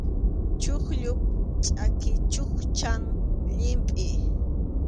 Chuqllup chʼaki chukchan llimpʼi.